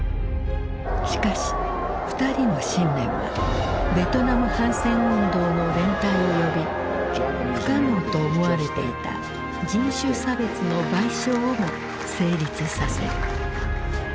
しかし２人の信念はベトナム反戦運動の連帯を呼び不可能と思われていた人種差別の賠償をも成立させる。